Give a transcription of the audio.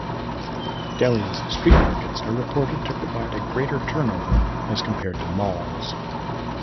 Delhi's street markets are reported to provide a greater turnover as compared to malls.